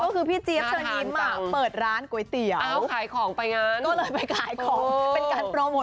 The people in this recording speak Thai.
ไม่ได้กักตุ๋นครับผมกักไว้ตุ๋นนะครับ